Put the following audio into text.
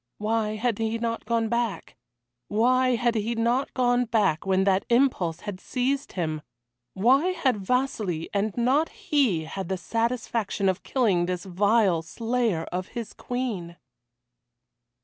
Why had he not gone back? Why had he not gone back when that impulse had seized him? Why had Vasili, and not he, had the satisfaction of killing this vile slayer of his Queen?